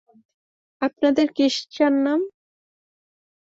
আপনাদের ক্রিশ্চান নাম?